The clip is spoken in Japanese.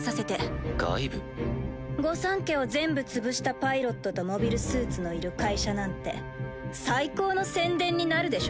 御三家を全部潰したパイロットとモビルスーツのいる会社なんて最高の宣伝になるでしょ？